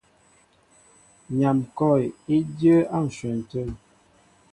Nyam kɔ̂w í dyə́ə́ á ǹshwɛn tə̂.